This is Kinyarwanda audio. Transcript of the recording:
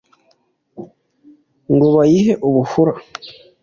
ngo bayihe ubuhura,